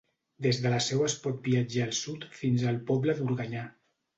Des de la Seu es pot viatjar al sud fins al poble d'Organyà.